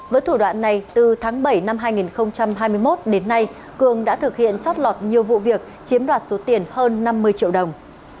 với thủ đoạn này từ tháng bảy năm hai nghìn hai mươi một đến nay cường đã thực hiện chót lọt nhiều vụ việc chiếm đoạt số tiền hơn năm mươi triệu đồng